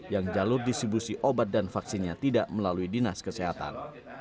yang jalur distribusi obat dan vaksinnya tidak melalui dinas kesehatan